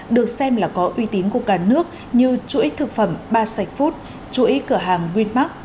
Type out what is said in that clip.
được xem là có uy tín của cả nước như chuỗi thực phẩm ba sạch food chuỗi cửa hàng winmark